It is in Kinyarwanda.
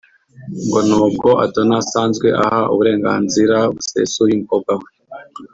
ngo n’ubwo adonna asanzwe aha uburenganzira busesuye umukobwa we